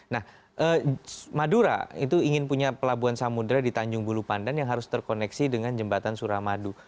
nah madura itu ingin punya pelabuhan samudera di tanjung bulu pandan yang harus terkoneksi dengan jembatan suramadu